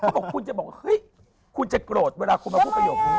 บอกคุณจะบอกเฮ้ยคุณจะโกรธเวลาคุณมาพูดประโยคนี้